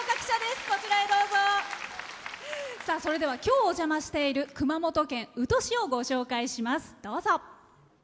今日お邪魔している熊本県宇土市をご紹介します。